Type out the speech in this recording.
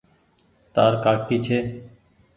تآر ڪآڪي ڇي۔